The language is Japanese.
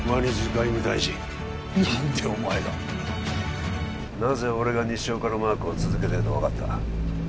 外務大臣何でお前がなぜ俺が西岡のマークを続けてると分かった？